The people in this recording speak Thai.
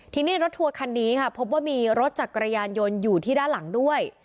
ทีนี้รถทัวร์คันนี้ค่ะพบว่ามีรถจักรยานยนต์อยู่ที่ด้านหลังด้วย